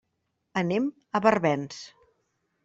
Anem a Barbens.